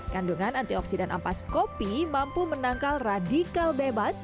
kandungan antioksidan ampas kopi mampu menangkal radikal bebas